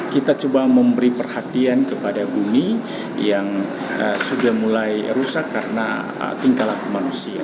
kita coba memberi perhatian kepada bumi yang sudah mulai rusak karena tingkalan manusia